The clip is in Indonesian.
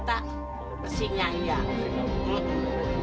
airnya aja itu